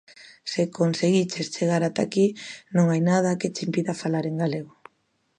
Se conseguiches chegar ata aquí, non hai nada que che impida falar en galego.